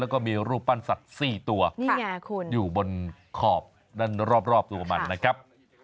แล้วก็มีรูปปั้นสัตว์๔ตัวนี่ไงคุณอยู่บนขอบด้านรอบตัวมันนะครับ